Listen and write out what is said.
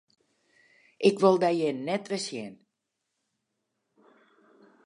Ik wol dy hjir net wer sjen!